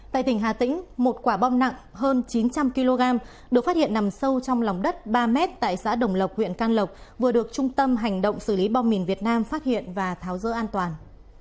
tại tỉnh hà tĩnh một quả bom nặng hơn chín trăm linh kg được phát hiện nằm sâu trong lòng đất ba m tại xã đồng lộc huyện can lộc vừa được trung tâm hành động xử lý bom mìn việt nam phát hiện và tháo dỡ an toàn